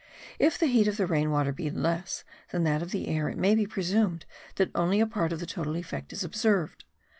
If the heat of the rain water be less than that of the air it may be presumed that only a part of the total effect is observed.